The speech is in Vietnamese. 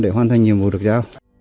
để hoàn thành nhiều mùa được giao